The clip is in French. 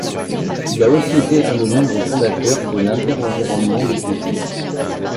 Il a aussi été un des membres fondateurs de Inter-Environnement de Bruxelles.